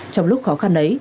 trong lúc khó khăn ấy